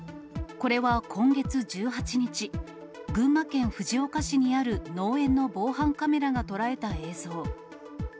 これは今月１８日、群馬県藤岡市にある農園の防犯カメラが捉えた映像。